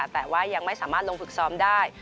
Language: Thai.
แต่ว่ายังไม่สามารถลงฝึกซ้อมได้